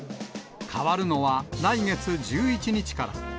変わるのは来月１１日から。